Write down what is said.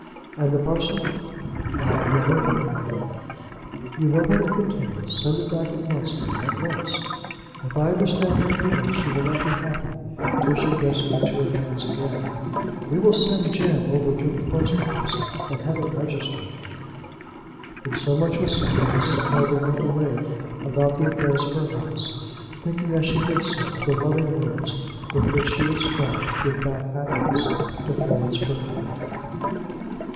"And the parcel?" "I have not opened it yet." "You know what it contains. Send it back at once, Harry; at once. If I understand her feelings, she will not be happy till she gets it into her hands again. We will send Jem over to the post office, and have it registered." When so much was settled, Mrs. Clavering went away about the affairs of her house, thinking as she did so of the loving words with which she would strive to give back happiness to Florence Burton.